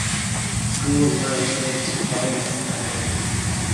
Schools were encouraged to join this network.